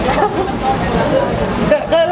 ก็ระวังไม่ขาดแบบนี้ด้วยค่ะ